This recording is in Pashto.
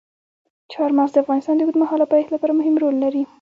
چار مغز د افغانستان د اوږدمهاله پایښت لپاره مهم رول لري.